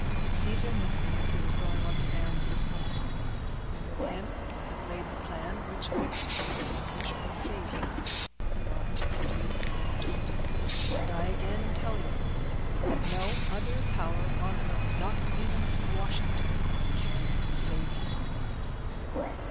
Caesar met me, as he was going on his errand this morning, and with him I have laid the plan which, if executed as I wish, will save you—otherwise you are lost; and I again tell you, that no other power on earth, not even Washington, can save you."